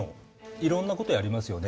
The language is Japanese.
いろんなことやりますよね。